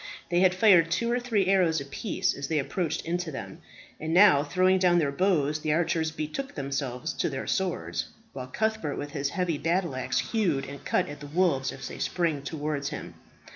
They had fired two or three arrows apiece, as they approached, into them; and now, throwing down their bows, the archers betook themselves to their swords, while Cuthbert with his heavy battle axe hewed and cut at the wolves as they sprang towards him.